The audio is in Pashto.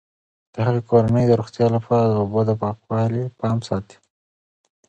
هغې د کورنۍ د روغتیا لپاره د اوبو د پاکوالي پام ساتي.